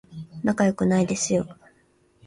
仲良くないですよ